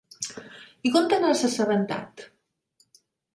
I com te n'has assabentat?